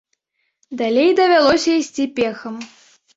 Далей давялося ісці пехам.